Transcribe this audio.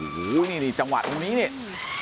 โอ้โหนี่จังหวะตรงนี้นี่